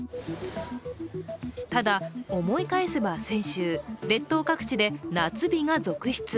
ただ、思い返せば先週列島各地で夏日が続出。